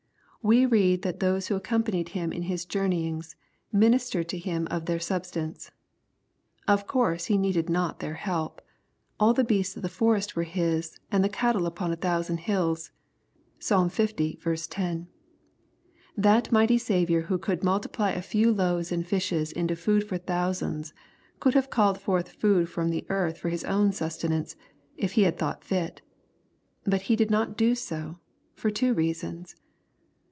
We read that those who accompanied Him in His journey ings, "ministered to him of their substance." Of course He needed not their help. "All the beasts of the forest were his, and the cattle upon a thousand hills." (Psalm 1. 10.) That mighty Saviour who could multiply a few loaves and fishes into food for thousands, could have called forth food from the earth for His own sustenance, if He had thought fit. But He did not do so, for two reasons.